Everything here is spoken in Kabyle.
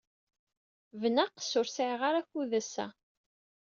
Bnaqes, ur sɛiɣ ara akud ass-a.